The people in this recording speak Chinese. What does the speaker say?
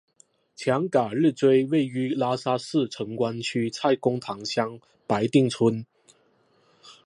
强嘎日追位于拉萨市城关区蔡公堂乡白定村。